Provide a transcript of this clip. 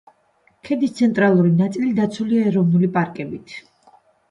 ქედის ცენტრალური ნაწილი დაცულია ეროვნული პარკებით.